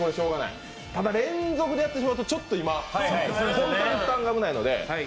ただ、連続でやってしまうと本当に負担が危ないので。